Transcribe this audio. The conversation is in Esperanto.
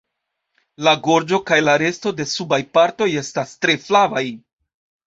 La gorĝo kaj la resto de subaj partoj estas tre flavaj.